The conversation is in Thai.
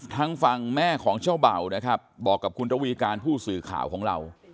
ทางฝั่งแม่ของเจ้าเบ่านะครับบอกกับคุณระวีการผู้สื่อข่าวของเรา